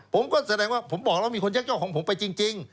ผมก็แสดงว่าผมบอกแล้วมีคนยักยอกของผมไปจริง